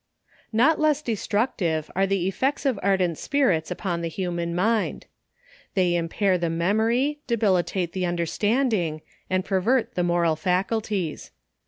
Not less destructive are the effects of ardent spirits upon the human mind. They impair the memory, debil itate the understanding, and pervert the moral faculties.